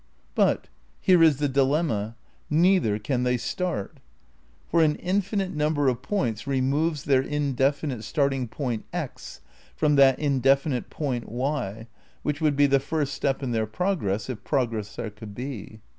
But — ^here is the dilemma — neither can they start; for an infinite number of points removes their indefi nite starting point x from that indefinite point y which would be the first step in their progress if progress there could be.